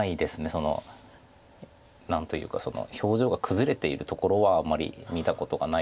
その何というか表情が崩れているところはあまり見たことがないというか。